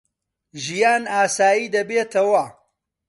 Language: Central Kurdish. ژیان ئاسایی دەبێتەوە.